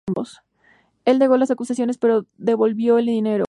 Él negó las acusaciones, pero devolvió el dinero.